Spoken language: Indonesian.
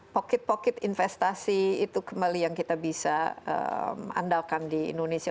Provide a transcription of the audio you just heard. pocket pokit investasi itu kembali yang kita bisa andalkan di indonesia